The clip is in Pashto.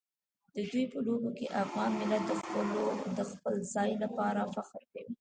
د دوی په لوبو کې افغان ملت د خپل ځای لپاره فخر کوي.